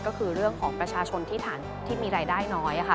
ก็คือเรื่องของประชาชนที่มีรายได้น้อย